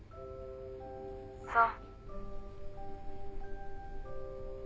そう。